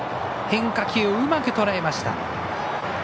変化球をうまくとらえました。